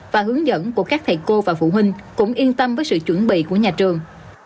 và hướng dẫn của các thầy cô và phụ huynh cũng yên tâm với sự chuẩn bị của nhà trường